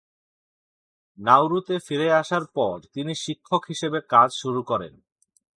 নাউরুতে ফিরে আসার পর তিনি শিক্ষক হিসেবে কাজ শুরু করেন।